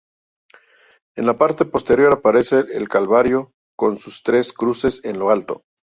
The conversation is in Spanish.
En la parte posterior aparece el Calvario con sus tres cruces en lo alto.